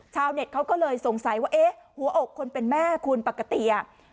ชาวเน็ตเขาก็เลยสงสัยว่าเอ๊ะหัวอกคนเป็นแม่คุณปกติอ่ะ